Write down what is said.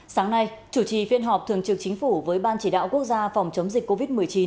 sáng nay chủ trì phiên họp thường trực chính phủ với ban chỉ đạo quốc gia phòng chống dịch covid một mươi chín